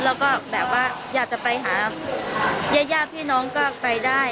แล้วก็แบบว่าอยากจะไปหาญาติพี่น้องก็ไปได้